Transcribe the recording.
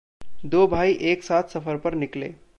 दो भाई एक-साथ सफ़र पर निकले।